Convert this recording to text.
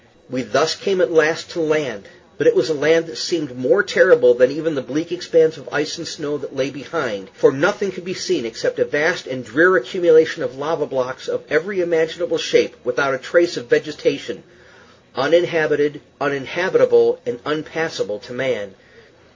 We thus came at last to land; but it was a land that seemed more terrible than even the bleak expanse of ice and snow that lay behind, for nothing could be seen except a vast and drear accumulation of lava blocks of every imaginable shape, without a trace of vegetation uninhabited, uninhabitable, and unpassable to man.